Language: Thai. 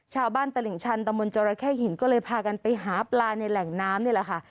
ตลิ่งชันตะมนต์จรแค่หินก็เลยพากันไปหาปลาในแหล่งน้ำนี่แหละค่ะ